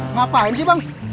ngapain sih bang